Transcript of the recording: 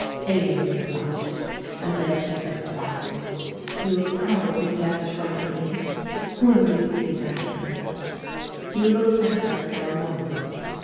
Aline blushed and then she said quietly, "You have probably guessed rightly. Whom do you think I am?" He looked at her for a moment.